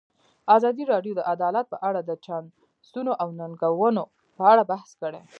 ازادي راډیو د عدالت په اړه د چانسونو او ننګونو په اړه بحث کړی.